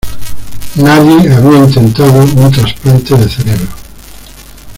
Nadie había intentado un trasplante de cerebro